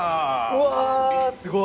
うわ。